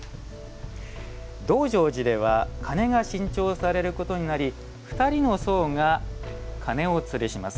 道成寺では鐘が新調されることになり２人の僧が鐘をつるします。